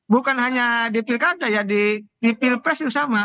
bukan hanya di pilkada ya di pilpres itu sama